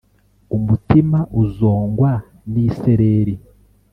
Umutima uzongwa nisereri,